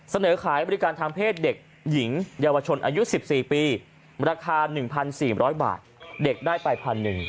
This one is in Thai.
เสนอขายบริการทางเพศเด็กหญิงเยาวชนอายุ๑๔ปีราคา๑๔๐๐บาทเด็กได้ไป๑๐๐หนึ่ง